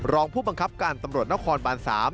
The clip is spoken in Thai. รองผู้บังคับการตำรวจนครบาน๓